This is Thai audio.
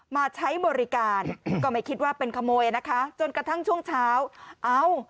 มาใช้บริการก็ไม่คิดว่าเป็นขโมยนะคะจนกระทั่งช่วงเช้าเอ้า